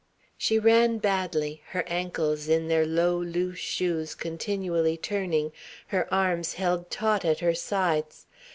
She ran badly, her ankles in their low, loose shoes continually turning, her arms held taut at her sides.